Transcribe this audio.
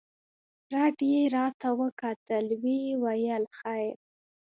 رډ يې راته وکتل ويې ويل خير.